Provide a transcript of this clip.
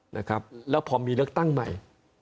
นะครับแล้วพอมีเลือกตั้งใหม่